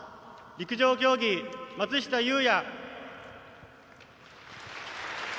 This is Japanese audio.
陸上競技、松下裕哉。